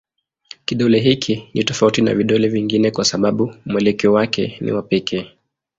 Kidole hiki ni tofauti na vidole vingine kwa sababu mwelekeo wake ni wa pekee.